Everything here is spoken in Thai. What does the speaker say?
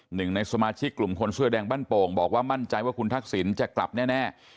หนึ่งในสมาชิกกลุ่มคนเสื้อแดงบ้านโป่งบอกว่ามั่นใจว่าคุณทักษิณจะกลับแน่